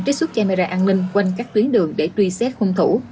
trích xuất camera an ninh quanh các tuyến đường để truy xét hung thủ